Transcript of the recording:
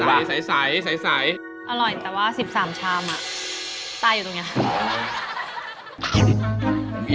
ใสใสอร่อยแต่ว่า๑๓ชามตายอยู่ตรงนี้